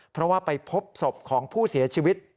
เพราะว่าไปพบศพของผู้เสียชีวิต